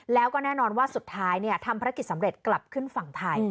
แล้วก็แน่นอนว่าสุดท้ายทำภารกิจสำเร็จกลับขึ้นฝั่งไทย